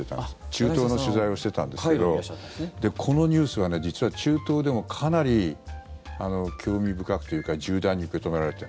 中東の取材をしていたんですけどこのニュースは、実は中東でもかなり興味深くというか重大に受け止められた。